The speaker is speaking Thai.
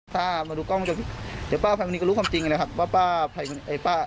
ฟะพ๊ายพี่เรื่องชอบทุกที่